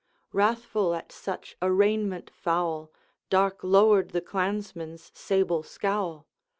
Wrathful at such arraignment foul, Dark lowered the clansman's sable scowl.